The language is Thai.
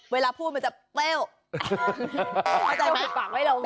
เวลาพูดมันจะเปล้ว